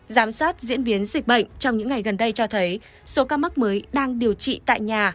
giám sát diễn biến dịch bệnh trong những ngày gần đây cho thấy số ca mắc mới đang điều trị tại nhà